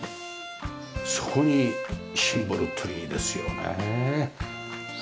そこにシンボルツリーですよね。